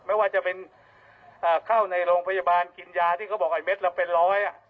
ไม่ว่าจะเป็นเข้าในโรงพยาบาลกินยาที่เขาบอกไอ้เม็ดละเป็นร้อย